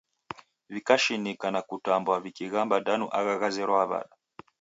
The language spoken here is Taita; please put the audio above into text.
W'ikashinika na kutambwa wikighamba danu agha ghazerwaa w'ada?